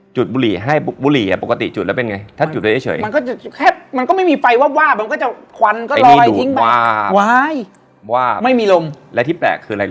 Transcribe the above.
จุดบุหลี่คือให้บุหลี่เนี่ย